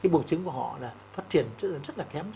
buồn trứng của họ phát triển rất là kém rồi